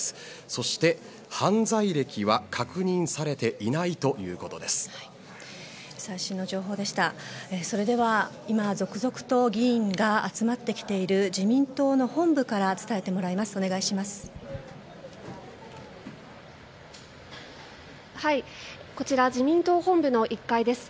それでは今続々と議員が集まってきている自民党の本部から伝えてもらいます、お願いします。